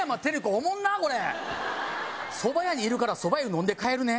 おもんなっこれ「そば屋にいるからそば湯飲んで帰るね」